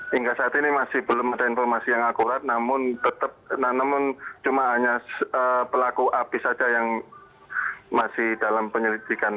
hingga saat ini masih belum ada informasi yang akurat namun cuma hanya pelaku api saja yang masih dalam penyelidikan